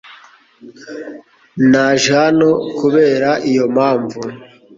Naje hano kubera iyo mpamvu.